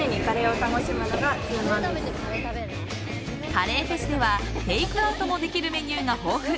カレーフェスではテイクアウトもできるメニューが豊富！